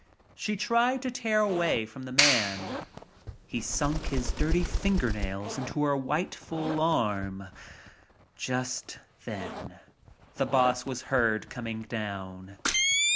She tried to tear away from the man. He sunk his dirty fingernails into her white full arm. Just then the "boss" was heard coming down.